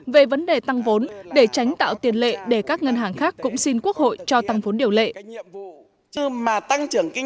về vấn đề tăng vốn để tránh tạo tiền lệ để các ngân hàng khác cũng xin quốc hội cho tăng vốn điều lệ